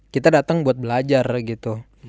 kita dateng buat belajar gitu